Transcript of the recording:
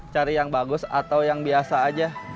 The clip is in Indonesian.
cari yang bagus atau yang biasa aja